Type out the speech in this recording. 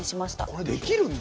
これできるんだ？